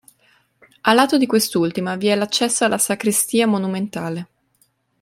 A lato di quest'ultima vi è l'accesso alla sacrestia monumentale.